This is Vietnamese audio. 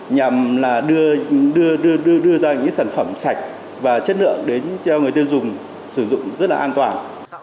nhằm là đưa ra những sản phẩm sạch và chất lượng đến cho người tiêu dùng sử dụng rất là an toàn